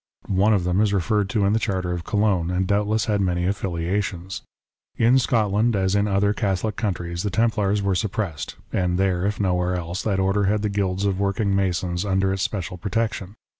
One of them is referred to in the Charter of Cologne, and doubtless had many affiliations. In Scotland, as in other Catholic countries, the Templars were suppressed ; and there, if nowhere else, that Order had the guilds of working masons under its special protection.